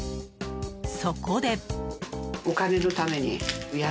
そこで。